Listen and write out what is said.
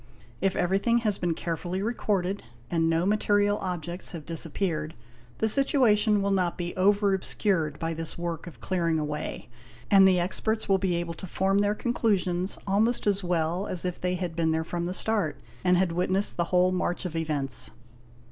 If everything has been carefully recorded and no material objects have dis appeared, the situation will not be over obscured by this work of clearing away, and the experts will be able to form their conclusions almost as well as if they had been there from the start and had witnessed the whole march of events.